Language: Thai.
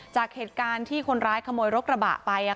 จากเหตุการณ์ที่คนร้ายขโมยรถกระบะไป